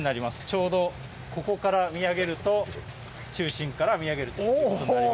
ちょうどここから見上げると中心から見上げるっていう事になります。